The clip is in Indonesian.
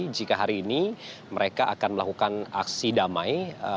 jika hari ini mereka akan melakukan aksi damai